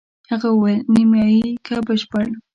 هغه وویل: نیمایي که بشپړ؟